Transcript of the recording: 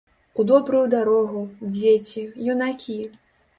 У добрую дарогу, дзеці, юнакі!